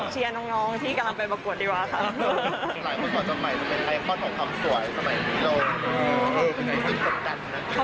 เชียร์น้องที่กำลังไปประกวดดีกว่าค่ะ